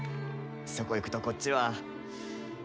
そこいくと、こっちは。